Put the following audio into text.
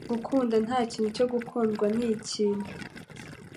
Gukunda nta kintu cyo gukundwa ni ikintu.